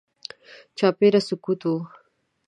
چاپېره سکوت و.